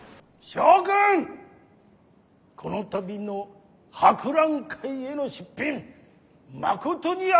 諸君この度の博覧会への出品まことにありがたく存ずる。